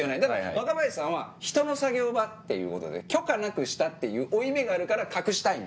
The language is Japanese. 若林さんはひとの作業場っていうことで許可なくしたっていう負い目があるから隠したいんですよ。